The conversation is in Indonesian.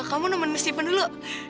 kamu teman teman steven dulu